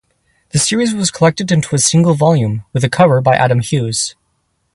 The series was collected into a single volume, with a cover by Adam Hughes.